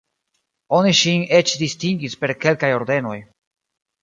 Oni ŝin eĉ distingis per kelkaj ordenoj.